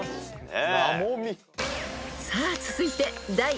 ［さあ続いて］